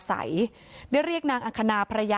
ใส่ได้เรียกขณะพรรยาของนิสเซีย